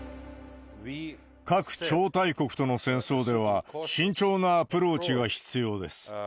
核超大国との戦争では、慎重なアプローチが必要です。